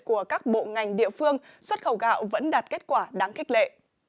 của các bộ ngành địa phương xuất khẩu gạo vẫn đạt kết quả đáng khích lệ